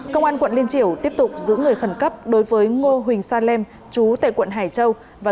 công an quận liên triều tiếp tục giữ người khẩn cấp đối với ngô huỳnh sa lêm chú tệ quận hải châu